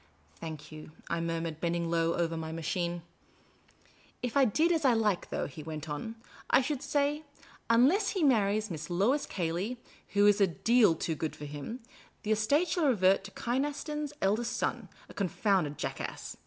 " Thank you," I murmured, bending low over my machine. " If I did as I like, though," he went on, " I should say. Unless he marries Miss Lois Cayley (who is a deal too good for him), the estate shall revert to Kynaston's eldest son, a confounded jackass.